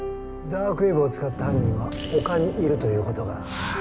ダークウェブを使った犯人はほかにいるという事か。